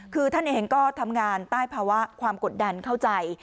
คือท่านเองก็ทำงานใต้ภาวะความกดดันเข้าใจ